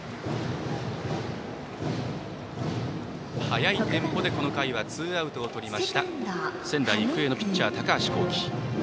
速いテンポでこの回はツーアウトをとりました仙台育英のピッチャー、高橋煌稀。